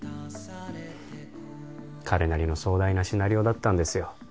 彼なりの壮大なシナリオだったんですよ